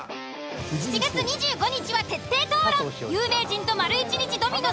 ７月２５日は徹底討論。